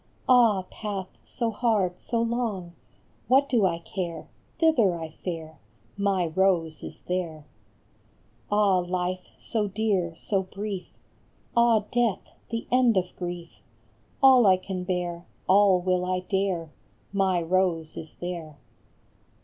Ah, path so hard, so long i What do I care ? Thither I fare ! My Rose is there !" Ah, life so dear, so brief ! Ah, death, the end of grief ! All I can bear, all will I dare ! My Rose is there